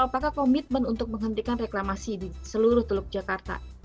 apakah komitmen untuk menghentikan reklamasi di seluruh teluk jakarta